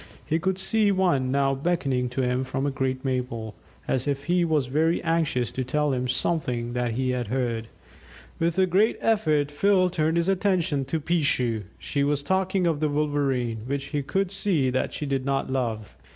He could see one now beckoning to him from a great maple, as if he was very anxious to tell him something that he had heard. With a great effort Phil turned his attention to "Peeshoo"; she was talking of the Wolverene, which he could see that she did not love.